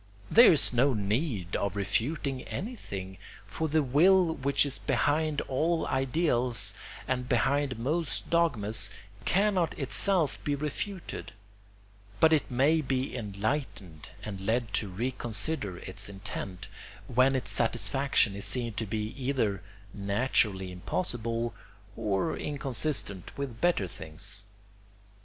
There is no need of refuting anything, for the will which is behind all ideals and behind most dogmas cannot itself be refuted; but it may be enlightened and led to reconsider its intent, when its satisfaction is seen to be either naturally impossible or inconsistent with better things.